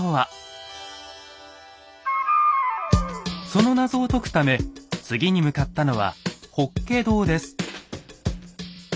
その謎を解くため次に向かったのは法華堂です。